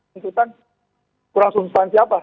tuntutan kurang substansi apa